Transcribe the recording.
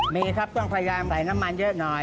มีครับต้องพยายามใส่น้ำมันเยอะหน่อย